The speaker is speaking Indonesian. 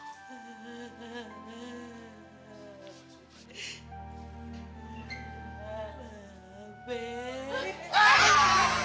silahkan beberapa kali lagi couple